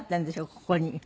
ここに。